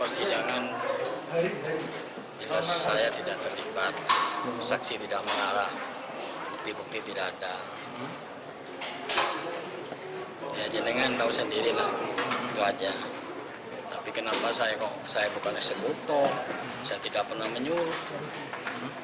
saya sendiri lah itu aja tapi kenapa saya kok saya bukan eksekutor saya tidak pernah menyuruh